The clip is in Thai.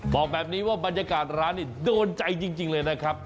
บอกแบบนี้ว่าบรรยากาศร้านนี่โดนใจจริงเลยนะครับ